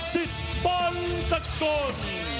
สิทธิ์บอลสักกร